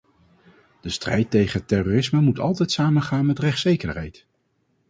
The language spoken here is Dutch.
De strijd tegen het terrorisme moet altijd samengaan met rechtszekerheid.